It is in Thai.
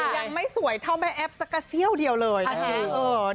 ยังไม่สวยเท่าแม่แอฟสักกระเซี่ยวเดียวเลยนะคะ